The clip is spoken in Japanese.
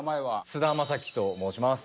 菅田将暉と申します。